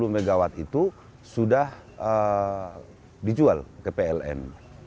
satu ratus sepuluh mw itu sudah dijual ke pln